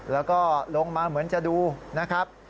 แล้วก็ลงมาเหมือนจะดูนะครับ